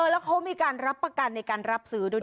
แล้วเขามีการรับประกันในการรับซื้อด้วย